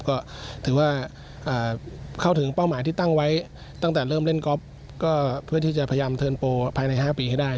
ก็ถือว่าเข้าถึงเป้าหมายที่ตั้งไว้ตั้งแต่เริ่มเล่นก๊อฟก็เพื่อที่จะพยายามเทิร์นโปรภายใน๕ปีให้ได้